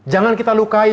jangan kita lukai